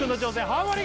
ハモリ